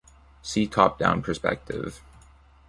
See top-down perspective.